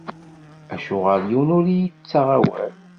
Acuɣer yiwen ur iyi-yettaɣ awal?